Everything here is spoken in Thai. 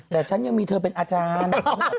แต่ฉันยังมีเธอเป็นอาจารย์